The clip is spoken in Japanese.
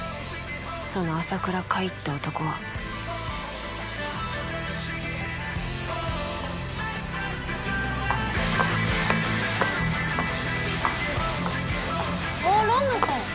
その朝倉海って男はあっ蘭菜さん